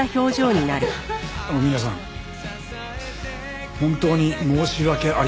皆さん本当に申し訳ありませんでした。